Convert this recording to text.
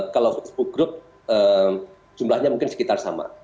kalau facebook group jumlahnya mungkin sekitar sama